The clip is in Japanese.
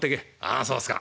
「あそうっすか。